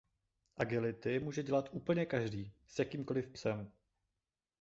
Agility může dělat úplně každý s jakýmkoliv psem.